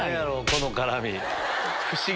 この絡み。